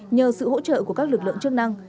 nhờ sự hỗ trợ của các lực lượng chức năng